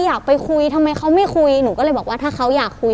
อยากไปคุยทำไมเขาไม่คุยหนูก็เลยบอกว่าถ้าเขาอยากคุย